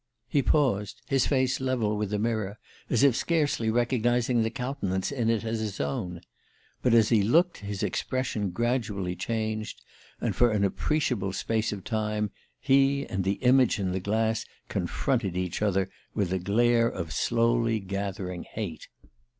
He paused, his face level with the mirror, as if scarcely recognizing the countenance in it as his own. But as he looked his expression gradually changed, and for an appreciable space of time he and the image in the glass confronted each other with a glare of slowly gathering hate.